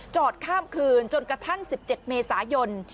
ข้ามคืนจนกระทั่ง๑๗เมษายน